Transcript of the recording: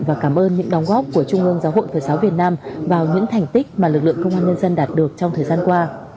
và đoàn những thành tích mà lực lượng công an nhân dân đạt được trong thời gian qua